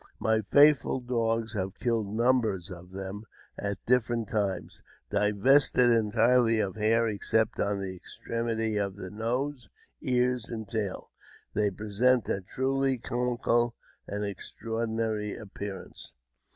My faithful dogs have killed numbers of them at different times, divested entirely of hair except on the extremity of the nose, ears, and tail. They present a truly comical and extraordinary appearance.